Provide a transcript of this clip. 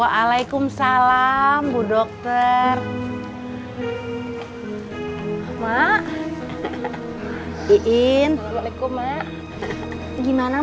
apa ruang kesumu buurut ke suku ini